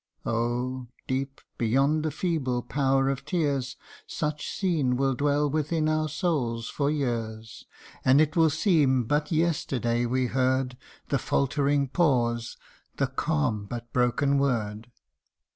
Oh ! deep, beyond the feeble power of tears, Such scene will dwell within our souls for years ; And it will seem but yesterday we heard The faltering pause the calm but broken word ; CANTO I.